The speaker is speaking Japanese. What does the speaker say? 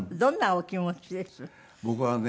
僕はね